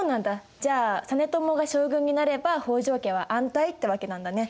じゃあ実朝が将軍になれば北条家は安泰ってわけなんだね。